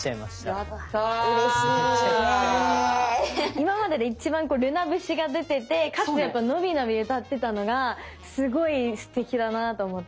今までで一番瑠夏節が出ててかつ伸び伸び歌ってたのがすごいすてきだなと思って。